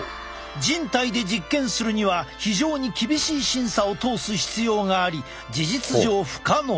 人体で実験するには非常に厳しい審査を通す必要があり事実上不可能。